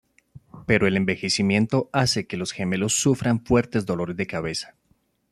Pero el envejecimiento hace que los gemelos sufran fuertes dolores de cabeza.